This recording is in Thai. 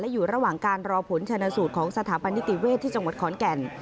อยู่ระหว่างการรอผลชนสูตรของสถาบันนิติเวศที่จังหวัดขอนแก่น